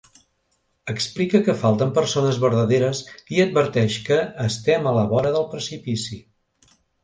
Explica que falten persones verdaderes i adverteix que estem a la vora del precipici.